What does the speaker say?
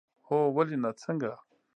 هو، ولې نه، څنګه؟